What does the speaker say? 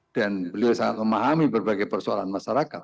dan beliau sangat memahami berbagai persoalan masyarakat